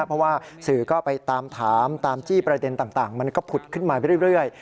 เพราะว่าสื่อก็ไปตามถามตามจี้ประเด็นต่างมันก็ผุดขึ้นมาไปเรื่อย